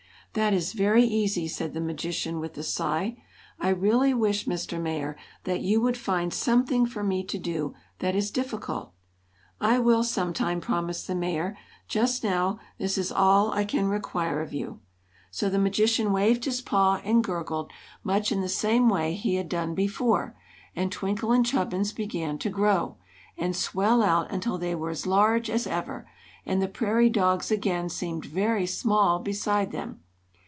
"That is very easy," said the magician, with a sigh. "I really wish, Mr. Mayor, that you would find something for me to do that is difficult." "I will, some time," promised the Mayor. "Just now, this is all I can require of you." So the magician waved his paw and gurgled, much in the same way he had done before, and Twinkle and Chubbins began to grow, and swell out until they were as large as ever, and the prairie dogs again seemed very small beside them.